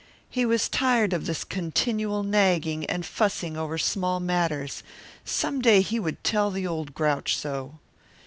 He was tired of this continual nagging and fussing over small matters; some day he would tell the old grouch so.